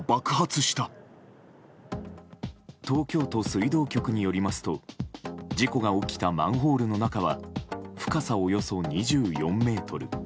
東京都水道局によりますと事故が起きたマンホールの中は深さおよそ２４ｍ。